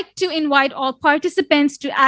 kami ingin meminta semua penonton